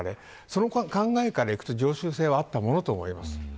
その考え方からいうと常習性はあったものと思います。